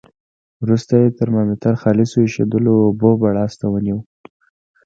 وروسته یې ترمامتر خالصو ایشېدلو اوبو بړاس ته ونیو.